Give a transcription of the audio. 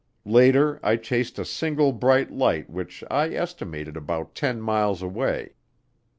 Later I chased a single bright light which I estimated about 10 miles away.